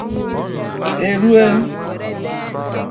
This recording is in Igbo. E rue